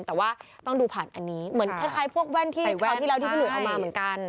แต่ว่าต้องดูผ่านอันนี้เหมือนคล้ายพวกแว่นที่คราวที่แล้วที่พี่หุยเอามาเหมือนกัน